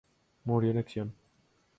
Murió en acción.